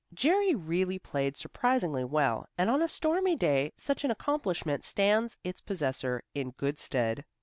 Jerry really played surprisingly well, and on a stormy day such an accomplishment stands its possessor in good stead.